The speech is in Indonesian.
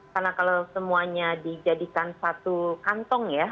karena kalau semuanya dijadikan satu kantong ya